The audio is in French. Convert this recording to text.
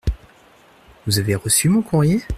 Vous avez reçu mon courrier ?